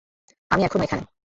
আমি এখনো এখানে।